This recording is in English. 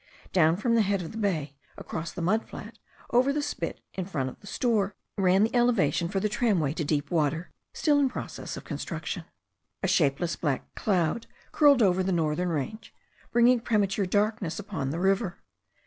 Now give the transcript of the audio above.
Down from the head of the bay, across the mud flat, over the spit in front of the store, ran the elevation { 74 THE STORY OF A NEW ZEALAND RIVER for the tramway to deep water, still in process of construc tion. A shapeless black cloud curled over the northern range, bringing premature darkness upon the river.